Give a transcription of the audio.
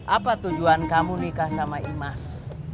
apa tujuan kamu nikah sama imas